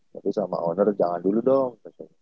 tapi sama owner jangan dulu dong